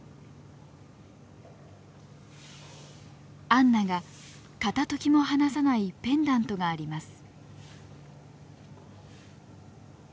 アンナが片ときも離さないペンダントがあります。